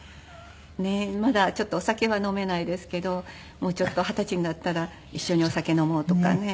まだちょっとお酒は飲めないですけどもうちょっと二十歳になったら一緒にお酒飲もうとかね。